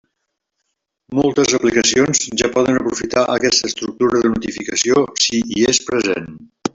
Moltes aplicacions ja poden aprofitar aquesta estructura de notificació si hi és present.